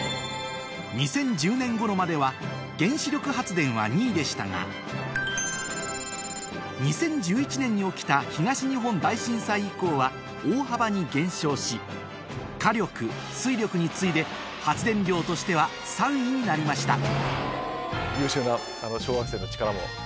２０１０年頃までは原子力発電は２位でしたが２０１１年に起きた東日本大震災以降は大幅に減少し火力水力に次いで発電量としては３位になりました優秀な。